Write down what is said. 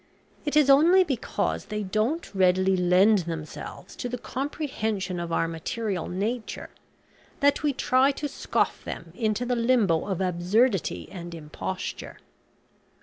It is only because they don't readily lend themselves to the comprehension of our material nature, that we try to scoff them into the limbo of absurdity and imposture."